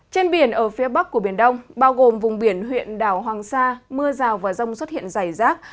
trên biển ở phía bắc của biển đông bao gồm vùng biển huyện đảo hoàng sa mưa rào và rông xuất hiện dày rác